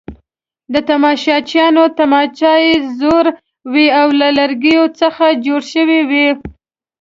د تماشچیانو تمځای زوړ وو او له لرګو څخه جوړ شوی وو.